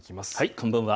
こんばんは。